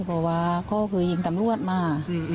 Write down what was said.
บอกว่าเขาก็เคยยิงตำรวจมา